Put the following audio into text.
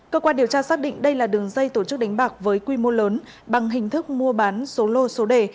cơ quan điều tra xác định đây là đường dây tổ chức đánh bạc với quy mô lớn bằng hình thức mua bán số lô số đề